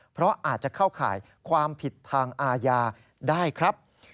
เพราะอาจจะเข้าข่ายความผิดทางอาญาได้ครับ